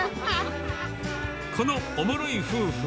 このおもろい夫婦。